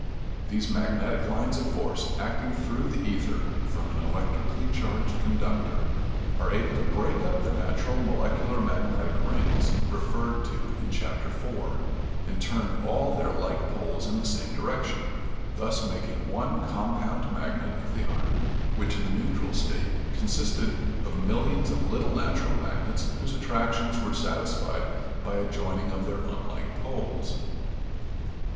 These magnetic lines of force acting through the ether from an electrically charged conductor are able to break up the natural molecular magnetic rings, referred to in Chapter IV, and turn all their like poles in the same direction thus making one compound magnet of the iron which in the neutral state consisted of millions of little natural magnets whose attractions were satisfied by a joining of their unlike poles.